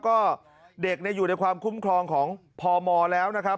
ก็เด็กอยู่ในความคุ้มครองของพมแล้วนะครับ